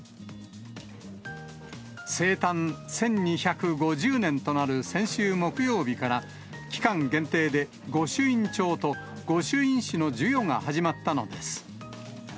生誕１２５０年となる先週木曜日から期間限定で、御朱印帳と御朱印紙の授与が始まったのです。